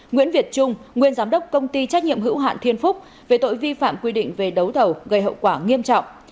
nguyễn việt trung nguyên giám đốc công ty trách nhiệm hữu hạn thiên phúc về tội vi phạm quy định về đấu thầu gây hậu quả nghiêm trọng